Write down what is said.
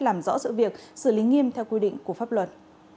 làm rõ sự việc xử lý nghiêm theo quy định của pháp luật